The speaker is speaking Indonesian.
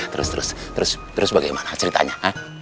terus terus terus bagaimana ceritanya